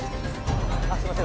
あっすいません